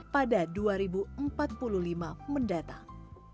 pada dua ribu empat puluh lima mendatang